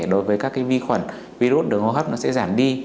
đối với các vi khuẩn virus đường hô hấp nó sẽ giảm đi